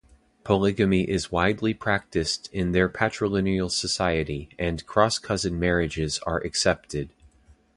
Polygamy is widely practiced in their patrilineal society, and cross-cousin marriages are accepted.